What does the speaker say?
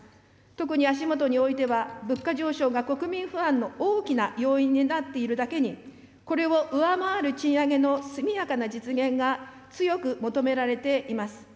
特に足下においては、物価上昇が国民不安の大きな要因になっているだけに、これを上回る賃上げの速やかな実現が強く求められています。